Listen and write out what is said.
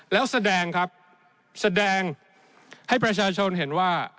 แล้วแสดงครับแสดงให้ประชาชนเห็นว่า